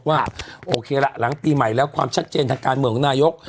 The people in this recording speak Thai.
ว่าโอเคละหลังปีใหม่แล้วความชัดเจนทางการเมืองของนายก